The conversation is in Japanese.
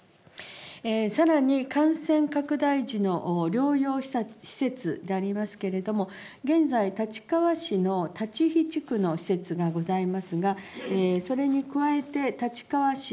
さらに感染拡大時の療養施設でありますけれども、現在、立川市のたちひ地区の施設がございますが、それに加えて、立川市、